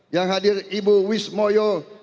yang hadir ibu wismoyo